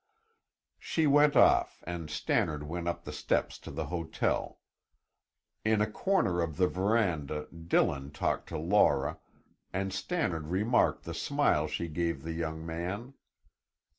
She went off and Stannard went up the steps to the hotel. In a corner of the veranda Dillon talked to Laura, and Stannard remarked the smile she gave the young man.